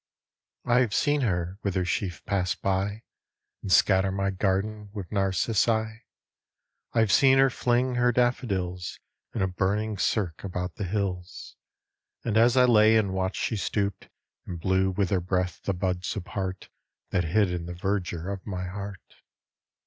I have seen her with her sheaf pass by And scatter my garden with narcissi ; I have seen her fling her daffodils In a burning cirque about the hills ; And as I lay and watched she stooped And blew with her breath the buds apart That hid in the verdure of my heart.